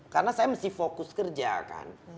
karena saya masih fokus kerja kan